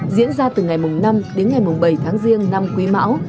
diễn ra từ ngày mùng năm đến ngày mùng bảy tháng riêng năm quý mão